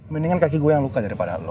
mendingan kaki gue yang luka daripada allah